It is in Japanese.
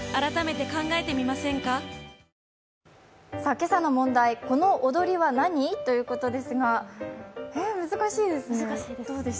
今朝の問題、この踊りは何？ということですが、難しいですね。